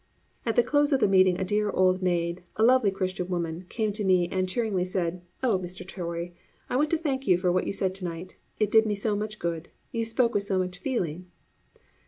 At the close of the meeting a dear old maid, a lovely Christian woman, came to me and cheeringly said, "Oh, Mr. Torrey, I want to thank you for what you said to night. It did me so much good. You spoke with so much feeling."